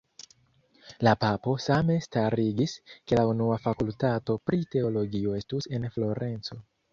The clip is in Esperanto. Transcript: La papo same starigis ke la unua Fakultato pri Teologio estus en Florenco.